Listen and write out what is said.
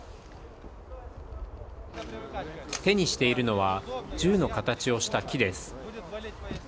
手にしているのは銃の形をした木です。